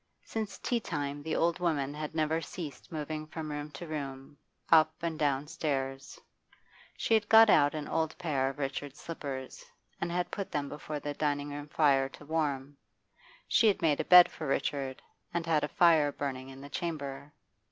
Since tea time the old woman had never ceased moving from room to room, up and down stairs. She had got out an old pair of Richard's slippers, and had put them before the dining room fire to warm. She had made a bed for Richard, and had a fire burning in the chamber.